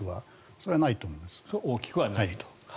そう大きくはないと。